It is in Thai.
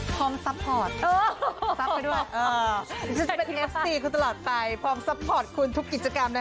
ก็ควรจำเธอยังไงที่ชุดกว่าเธอจะไป